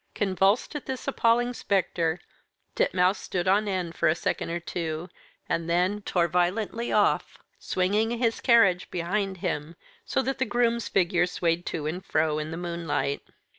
Convulsed at this appalling spectre, Titmouse stood on end for a second or two, and then tore violently off, swinging his carriage behind him, so that the groom's figure swayed to and fro in the moonlight.